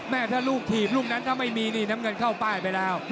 แน่นอนถ้าลูกถิ่มลูกนั้นต้องไม่มีนี่ทำกันเข้าไปไปแล้ว